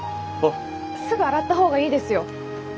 すぐ洗った方がいいですよ。